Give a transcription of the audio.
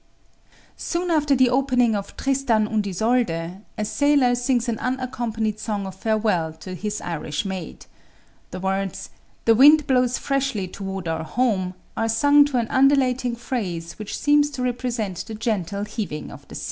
Soon after the opening of "Tristan und Isolde" a sailor sings an unaccompanied song of farewell to his Irish Maid. The words, "The wind blows freshly toward our home," are sung to an undulating phrase which seems to represent the gentle heaving of the sea.